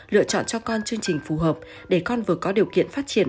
lựa chọn cho con chương trình phù hợp để con vừa có điều kiện phát triển